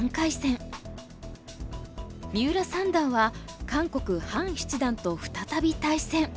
三浦三段は韓国ハン七段と再び対戦。